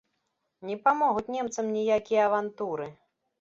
Не памогуць немцам ніякія авантуры!